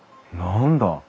何だ？